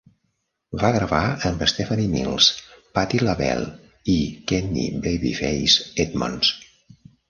Va gravar amb Stephanie Mills, Patti LaBelle, i Kenny "Babyface" Edmonds.